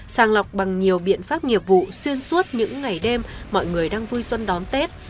sàng lọc bằng nhiều biện pháp nghiệp vụ xuyên suốt những ngày đêm mọi người đang vui xuân đón tết